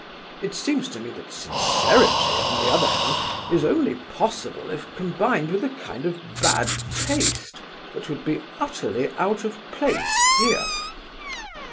It seems to me that sincerity, on the other hand, is only possible if combined with a kind of bad taste that would be utterly out of place here."